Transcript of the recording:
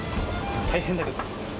大変だけど。